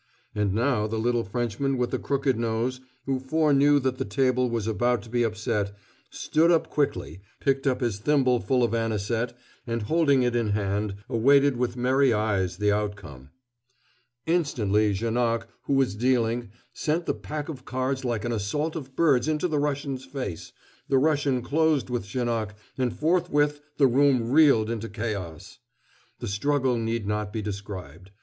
And now the little Frenchman with the crooked nose, who foreknew that the table was about to be upset, stood up quickly, picked up his thimbleful of anisette, and holding it in hand, awaited with merry eyes the outcome. Instantly Janoc, who was dealing, sent the pack of cards like an assault of birds into the Russian's face, the Russian closed with Janoc, and forthwith the room reeled into chaos. The struggle need not be described.